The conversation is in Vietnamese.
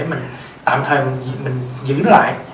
mình tạm thời mình giữ lại